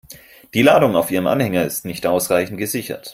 Die Ladung auf Ihrem Anhänger ist nicht ausreichend gesichert.